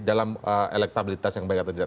dalam elektabilitas yang baik atau tidak